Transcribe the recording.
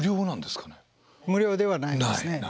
無料ではないんですね。